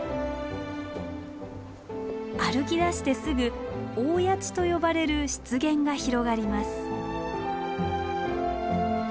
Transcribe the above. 歩きだしてすぐ大谷地と呼ばれる湿原が広がります。